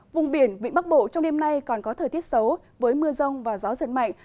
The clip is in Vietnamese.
vùng biển vĩnh bắc bộ trong đêm nay còn có thời tiết xấu với mưa rông và gió giật mạnh